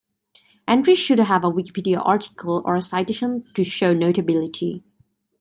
Entries should have a Wikipedia article or a citation to show notability.